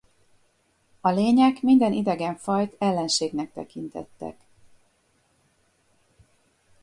A lények minden idegen fajt ellenségnek tekintettek.